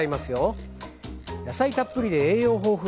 野菜たっぷりで栄養豊富。